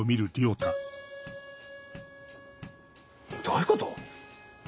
どういうこと？